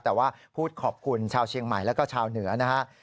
แต่ว่าพูดขอบคุณชาวเชียงใหม่แล้วก็ชาวเหนือนะฮะ